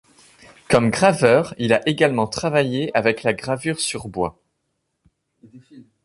Comme graveur, il a également travaillé avec la gravure sur bois.